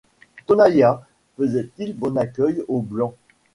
Tonaïa faisait-il bon accueil aux blancs?